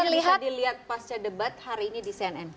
dan hasilnya bisa dilihat pasca debat hari ini di cnn